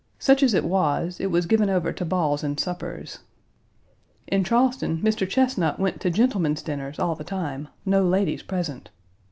Such as it was it was given over to balls and suppers. In Charleston, Mr. Chesnut went to gentlemen's dinners all the time; no ladies present.